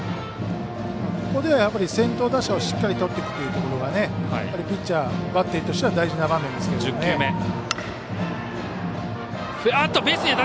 ここでは先頭打者をしっかりとっていくというのがやはりピッチャーバッテリーとしては大事な場面ですけどね。